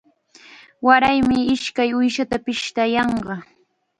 Waraymi ishkay uushata pishtayanqa.